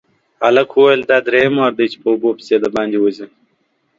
هلک وويل چې دا دريم وار دی چې په اوبو پسې د باندې وځي.